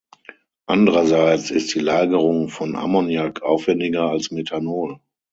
Andererseits ist die Lagerung von Ammoniak aufwendiger als Methanol.